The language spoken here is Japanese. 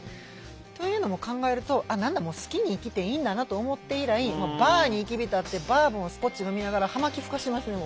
というのも考えると「何だもう好きに生きていいんだな」と思って以来バーに入り浸ってバーボンスコッチ飲みながら葉巻ふかしてますね